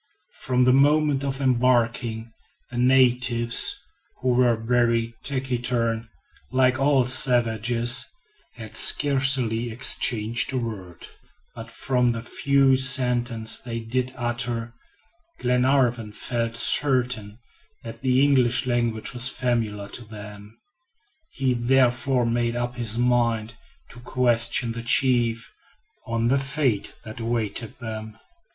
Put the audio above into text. From the moment of embarking, the natives, who were very taciturn, like all savages, had scarcely exchanged a word, but from the few sentences they did utter, Glenarvan felt certain that the English language was familiar to them. He therefore made up his mind to question the chief on the fate that awaited them.